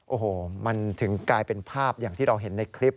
โอ้โหมันถึงกลายเป็นภาพอย่างที่เราเห็นในคลิป